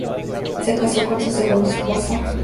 Se casó con su segundo esposo, John McCaffrey, Jr.